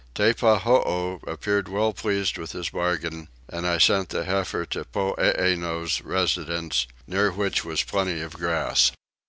Teppahoo appeared well pleased with his bargain; and I sent the heifer to Poeeno's residence near which was plenty of grass.